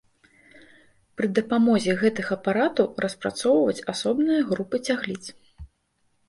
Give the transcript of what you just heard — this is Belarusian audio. Пры дапамозе гэтых апаратаў распрацоўваюць асобныя групы цягліц.